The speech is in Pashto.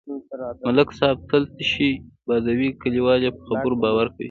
ملک صاحب تل تشې بادوي، کلیوال یې په خبرو باور کوي.